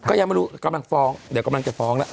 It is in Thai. ก็ยังไม่รู้กำลังฟ้องเดี๋ยวกำลังจะฟ้องแล้ว